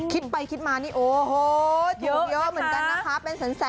คิดไปคิดมานี่โอ้โหเยอะเหมือนกันนะคะเป็นแสน